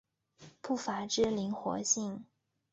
步法之灵活性。